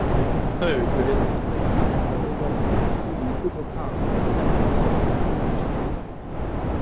Poe drew his inspiration from several works, including "Kubla Khan" by Samuel Taylor Coleridge.